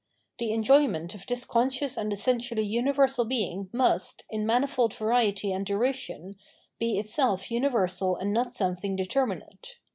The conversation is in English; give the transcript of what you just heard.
The enjoyment of this conscious and essentially universal being must, in manifold variety and duration, be itself universal and not something determinate.